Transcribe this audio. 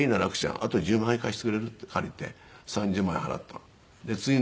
あと１０万円貸してくれる？」って借りて３０万円払ったの。